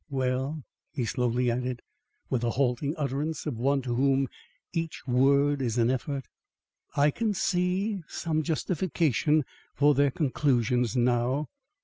Well," he slowly added, with the halting utterance of one to whom each word is an effort, "I can see some justification for their conclusions now.